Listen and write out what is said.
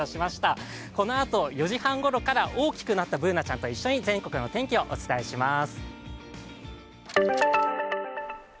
このあと４時半ごろから大きくなったＢｏｏｎａちゃんと一緒に全国の天気をお伝えします。